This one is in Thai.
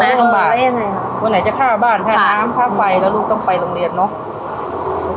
ลำบากวันไหนจะฆ่าบ้านฆ่าน้ำฆ่าไฟแล้วลูกต้องไปโรงเรียนเนอะ